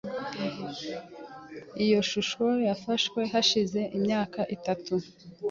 Iyo shusho yafashwe hashize imyaka itatu.